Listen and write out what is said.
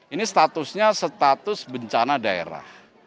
ini statusnya status bencana daerah